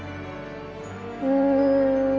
うん。